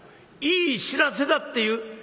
いい知らせだっていう」。